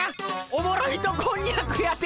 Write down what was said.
おもろ糸こんにゃくやて！